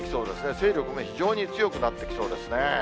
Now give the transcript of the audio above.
勢力も非常に強くなってきそうですね。